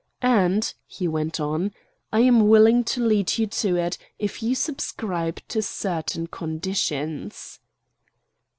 "And," he went on, "I am willing to lead you to it, if you subscribe to certain conditions."